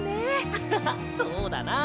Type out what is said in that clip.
アハハそうだな。